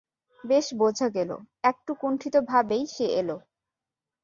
বেশ বোঝা গেল একটু কুণ্ঠিতভাবেই সে এল।